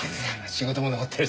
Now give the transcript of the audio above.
仕事も残ってるし。